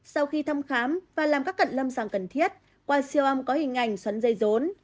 sau khi thăm khám và làm các cận lâm sàng cần thiết qua siêu âm có hình ảnh xoắn dây rốn